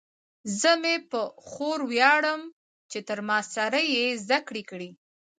زه مې په خور ویاړم چې تر ماسټرۍ یې زده کړې کړي